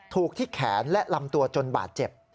ถูกที่แขนและลำตัวจนบาดเจ็บ